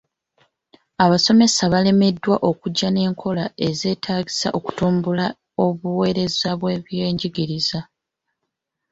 Abasomesa balemeddwa okujja n'enkola ez'etagisa okutumbula obuweereza bw'ebyenjigiriza.